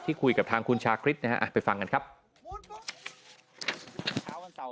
คุยกับทางคุณชาคริสนะฮะไปฟังกันครับ